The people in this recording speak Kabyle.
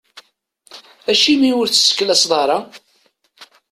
Acimi ur tesseklaseḍ ara?